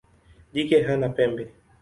Jike hana pembe.